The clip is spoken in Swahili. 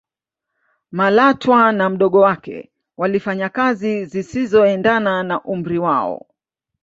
malatwa na mdogo wake walifanya kazi zisizoendana na umri wao